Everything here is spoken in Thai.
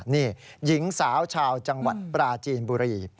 นี่หญิงสาวชาวจังหวัดปราจีนบุรี